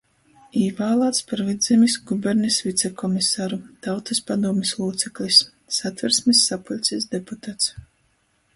Īvālāts par Vydzemis gubernis vicekomisaru, Tautys padūmis lūceklis, Satversmis sapuļcis deputats,